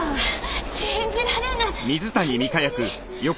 信じられない！